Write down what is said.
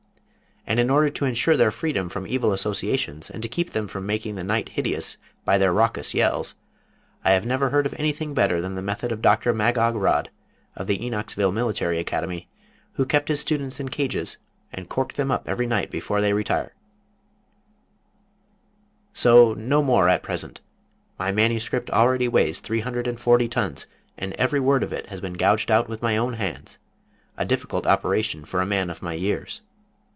And in order to ensure their freedom from evil associations, and to keep them from making the night hideous by their raucous yells, I have never heard of anything better than the method of Doctor Magog Rodd, of the Enochsville Military Academy, who kept his students in cages and corked them up every night before they retir ... [Illustration: The Head Nurse of the Adam Family.] ... so no more at present. My manuscript already weighs three hundred and forty tons, and every word of it has been gouged out with my own hands a difficult operation for a man of my years.